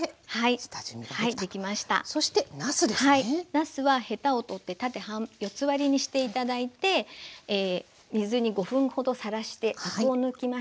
なすはヘタを取って縦四つ割りにして頂いて水に５分ほどさらしてアクを抜きました。